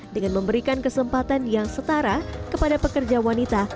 dengan memberikan kesempatan yang setara kepada pekerja wanita